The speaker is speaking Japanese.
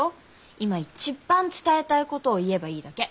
今一番伝えたいことを言えばいいだけ。